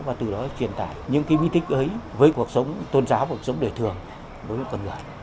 và từ đó truyền tải những cái bí tích ấy với cuộc sống tôn giáo cuộc sống đời thường đối với con người